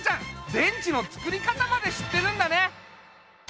電池のつくり方までしってるんだね。